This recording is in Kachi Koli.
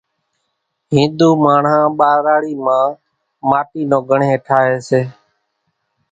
هنڌُو ماڻۿان ٻاراڙِي مان ماٽِي نو ڳڻيۿ ٺاۿيَ سي۔